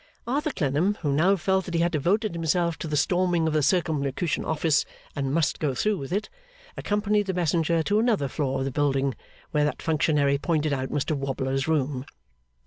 Arthur Clennam, who now felt that he had devoted himself to the storming of the Circumlocution Office, and must go through with it, accompanied the messenger to another floor of the building, where that functionary pointed out Mr Wobbler's room.